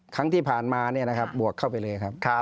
ครั้งที่ผ่านมานี่นะครับบวกเข้าไปเลย